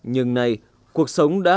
nhưng nay cuộc sống đã